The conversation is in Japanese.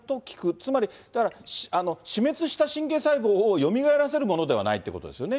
つまり、だから、死滅した神経細胞をよみがえらせるものではないということですよね？